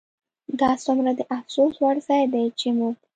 دا څومره د افسوس وړ ځای دی چې موږ